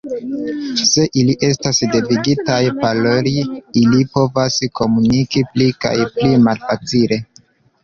Se ili estas devigitaj paroli, ili povas komuniki pli kaj pli malfacile.